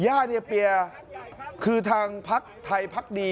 ย่าเนเปียคือทางภักดิ์ไทยภักดี